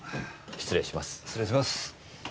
失礼します。